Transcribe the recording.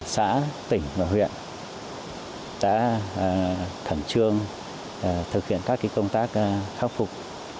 xã tỉnh và huyện đã khẩn trương thực hiện các công tác khắc phục